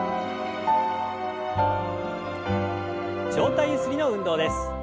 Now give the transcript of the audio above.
上体ゆすりの運動です。